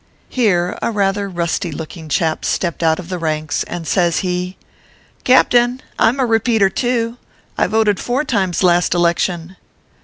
Here a rather rusty looking chap stepped out of the ranks a and says he :" Captain, I m a Repeater too. I voted four times last election."